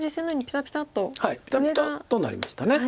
ピタピタッとなりました。